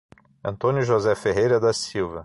Antônio José Ferreira da Silva